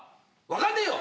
分かんねえよ！